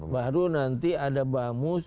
baru nanti ada bamus